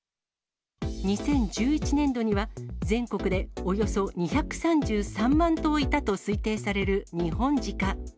２０１１年度には、全国でおよそ２３３万頭いたと推定されるニホンジカ。